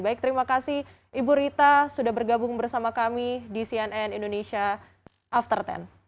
baik terima kasih ibu rita sudah bergabung bersama kami di cnn indonesia after sepuluh